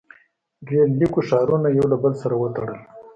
• ریل لیکو ښارونه یو له بل سره وتړل.